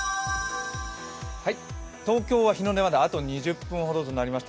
東京は日の出まであと２０分ほどとなりました。